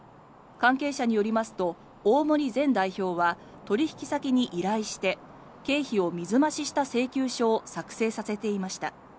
関係者によりますと大森前代表は取引先に依頼して経費を水増しした請求書を作成させていました。